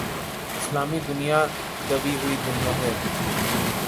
اسلامی دنیا دبی ہوئی دنیا ہے۔